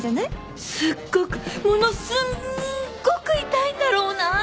すっごくものすっごく痛いんだろうな。